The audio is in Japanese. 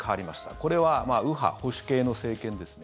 これは右派保守系の政権ですね。